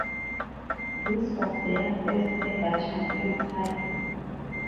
This was their first ever championship title.